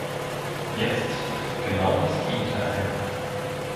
Jetzt tritt genau das Gegenteil ein.